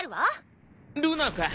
ルナか。